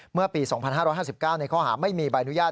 เมื่อปี๒๕๕๙ในข้อหาไม่มีใบอนุญาต